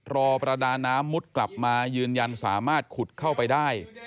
ประดาน้ำมุดกลับมายืนยันสามารถขุดเข้าไปได้